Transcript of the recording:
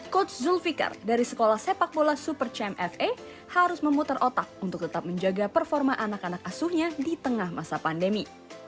coach zulfikar dari sekolah sepak bola super champ fa harus memutar otak untuk tetap menjaga performa anak anak asuhnya di tengah masa pandemi